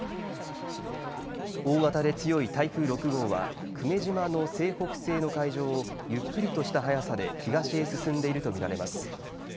大型で強い台風６号は久米島の西北西の海上をゆっくりとしした速さで東へ進んでいると見られます。